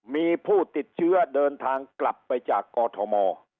มีผู้ติดเชื้อเดินทางกลับไปจากกอทม